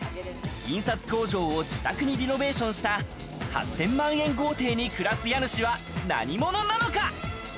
印刷工場を自宅にリノベーションした８０００万円豪邸に暮らす家主は何者なのか？